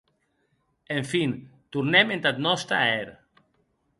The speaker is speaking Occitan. En fin, tornem entath nòste ahèr.